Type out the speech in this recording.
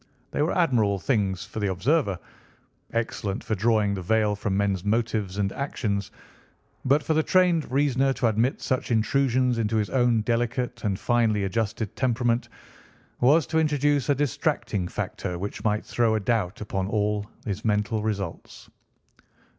They were admirable things for the observer—excellent for drawing the veil from men's motives and actions. But for the trained reasoner to admit such intrusions into his own delicate and finely adjusted temperament was to introduce a distracting factor which might throw a doubt upon all his mental results.